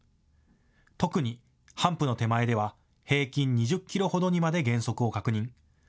特にハンプの手前では平均２０キロほどにまで減速を確認。